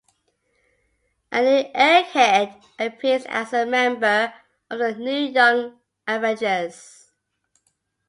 A new Egghead appears as a member of the new Young Avengers.